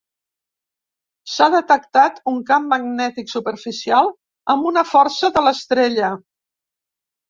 S'ha detectat un camp magnètic superficial amb una força de l'estrella.